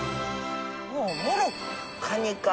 もうもろカニか。